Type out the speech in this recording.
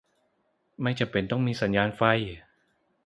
ไม่จำเป็นต้องมีสัญญาณไฟ